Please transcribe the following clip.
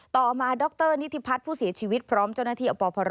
ต่อมาดรนิธิพัฒน์ผู้เสียชีวิตพร้อมเจ้าหน้าที่อบพร